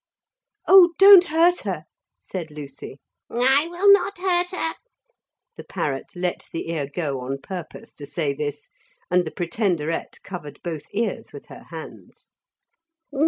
'Oh, don't hurt her,' said Lucy. 'I will not hurt her;' the parrot let the ear go on purpose to say this, and the Pretenderette covered both ears with her hands.